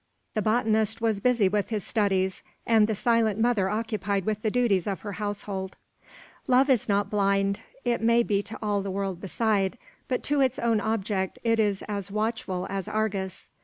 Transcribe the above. The botanist was busy with his studies, and the silent mother occupied with the duties of her household. Love is not blind. It may be to all the world beside; but to its own object it is as watchful as Argus.